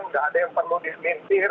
tidak ada yang perlu dimimpir